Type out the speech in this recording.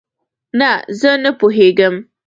نه، زه نه پوهیږم